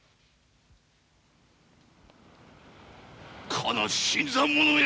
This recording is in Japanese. この新参者めが！